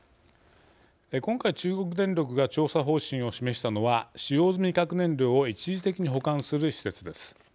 今回、中国電力が調査方針を示したのは使用済み核燃料を一時的に保管する施設です。